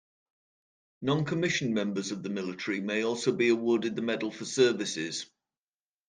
Non-commissioned members of the military may also be awarded the medal for services.